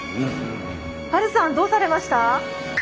ハルさんどうされました？